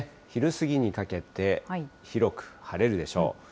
昼過ぎにかけて、広く晴れるでしょう。